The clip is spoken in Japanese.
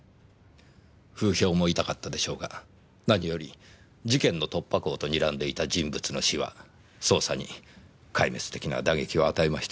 風評も痛かったでしょうが何より事件の突破口と睨んでいた人物の死は捜査に壊滅的な打撃を与えました。